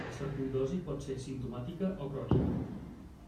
La sarcoïdosi pot ser asimptomàtica o crònica.